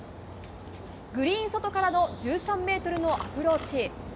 グリーン外からの１３ｍのアプローチ。